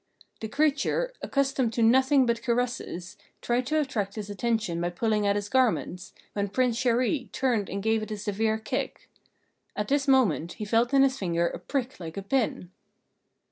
The creature, accustomed to nothing but caresses, tried to attract his attention by pulling at his garments, when Prince Chéri turned and gave it a severe kick. At this moment he felt in his finger a prick like a pin.